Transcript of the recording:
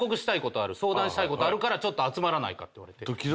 相談したいことあるから集まらないかって言われて。